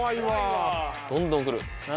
・どんどん来る